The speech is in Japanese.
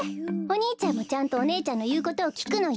お兄ちゃんもちゃんとお姉ちゃんのいうことをきくのよ？